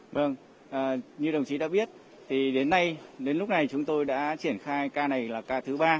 vâng như đồng chí đã biết thì đến nay đến lúc này chúng tôi đã triển khai ca này là ca thứ ba